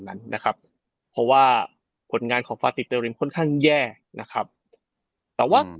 ถูกเพราะว่าผลงานของฟาสิตเตียรมค่อนข้างแย่นะครับแต่ว่า